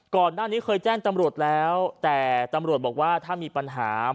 ก่อนหน้านี้เคยแจ้งตำรวจแล้วแต่ตำรวจบอกว่าถ้ามีปัญหา